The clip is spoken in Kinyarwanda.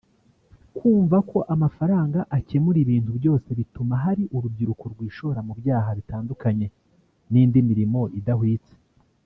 Kumva ko amafaranga akemura ibintu byose bituma hari urubyiruko rwishora mu byaha bitandukanye n’indi mirimo idahwitse